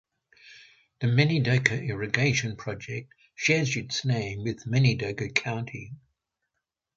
The Minidoka irrigation project shares its name with Minidoka County.